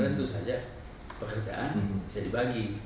dan itu saja pekerjaan bisa dibagi